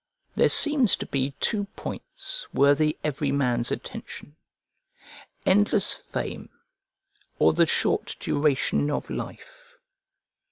There seems to be two points worthy every man's attention: endless fame, or the short duration of life.